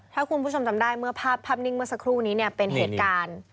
ถ้าคุณผู้ชมจำได้เมื่อภาพนิ่งเมื่อสักครู่นี้เนี่ยเป็นเหตุการณ์